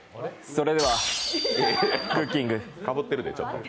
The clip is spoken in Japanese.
それでは、クッキングかぶってるで。